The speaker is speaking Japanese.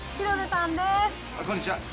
こんにちは。